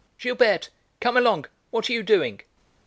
"Gilberte, come along; what are you doing?"